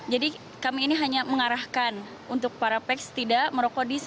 jadi kami ini hanya mengarahkan untuk para peks tidak merokok